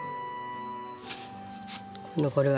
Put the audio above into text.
これはね